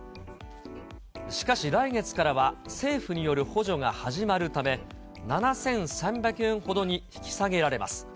しかし来月からは、政府による補助が始まるため、７３００円ほどに引き下げられます。